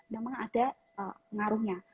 namanya ada pengaruhnya